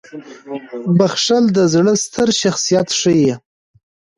• بخښل د زړه ستر شخصیت ښيي.